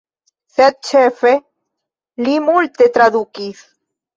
Sed ĉefe li multe tradukis.